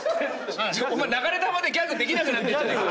⁉お前流れ弾でギャグできなくなってんじゃねえか！